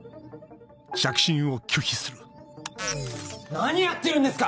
何やってるんですか！